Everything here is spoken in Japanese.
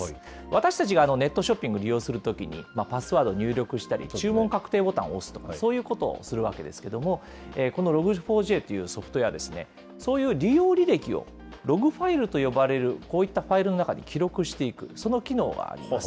私たちがネットショッピング利用するときに、パスワード入力したり、注文確定ボタンを押すと、そういうことをするわけですけども、このｌｏｇ４ｊというソフトウエア、そういう利用履歴をログファイルと呼ばれるこういったファイルの中に記録していく、その機能があります。